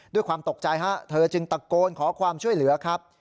ด้วยความตกใจฮะเธอจึงตะโกนขอความช่วยเหลือครับ